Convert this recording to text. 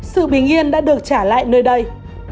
sự bình yên đã được trả lại nơi đây